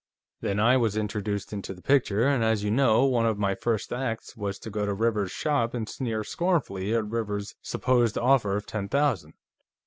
"Then I was introduced into the picture, and, as you know, one of my first acts was to go to Rivers's shop and sneer scornfully at Rivers's supposed offer of ten thousand.